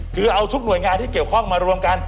คือเอาทุกหน่วยงานที่เกี่ยวข้องมารวมกัน